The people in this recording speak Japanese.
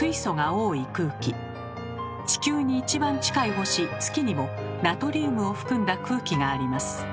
地球に一番近い星月にもナトリウムを含んだ空気があります。